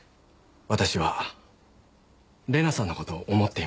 私は玲奈さんの事を思っています。